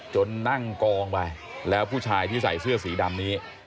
นั่งกองไปแล้วผู้ชายที่ใส่เสื้อสีดำนี้